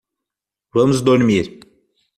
Vamos dormir